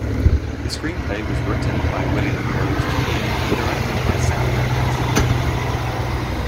The screenplay was written by William Broyles Junior and directed by Sam Mendes.